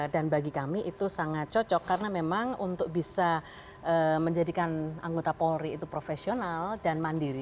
dan bagi kami itu sangat cocok karena memang untuk bisa menjadikan anggota polri itu profesional dan mandiri